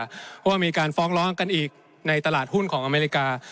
เพราะว่ามีการฟ้องร้องกันอีกในตลาดหุ้นของอเมริกา